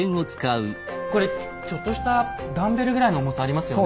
これちょっとしたダンベルぐらいの重さありますよね。